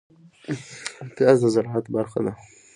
پياز د زراعت برخه ده